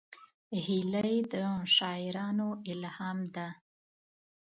هیلۍ د شاعرانو الهام ده